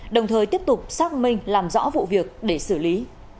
đồng thời tiếp tục xác minh làm rõ vụ việc để xử lý